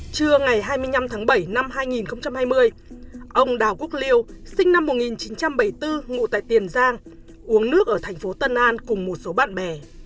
trưa ngày hai mươi năm tháng bảy năm hai nghìn hai mươi ông đào quốc liêu sinh năm một nghìn chín trăm bảy mươi bốn ngụ tại tiền giang uống nước ở thành phố tân an cùng một số bạn bè